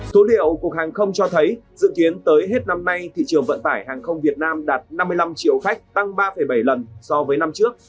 số liệu cục hàng không cho thấy dự kiến tới hết năm nay thị trường vận tải hàng không việt nam đạt năm mươi năm triệu khách tăng ba bảy lần so với năm trước